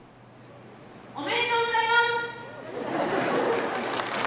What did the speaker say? おめでとうございます！